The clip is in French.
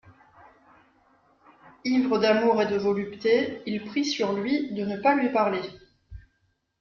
Ivre d'amour et de volupté, il prit sur lui de ne pas lui parler.